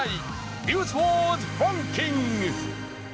「ニュースワードランキング」。